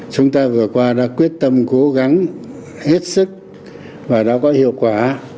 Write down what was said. chúng ta vừa qua đã quyết tâm cố gắng hết sức và đã có hiệu quả